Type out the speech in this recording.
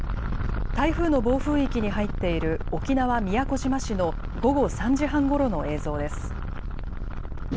台風の暴風域に入っている沖縄宮古島市の午後３時半ごろの映像です。